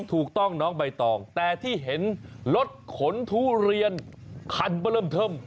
ถูกต้องน้องใบตองแต่ที่เห็นรถขนทุเรียนคันเบอร์เริ่มเทิม